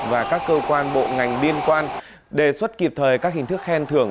và các cơ quan bộ ngành liên quan đề xuất kịp thời các hình thức khen thưởng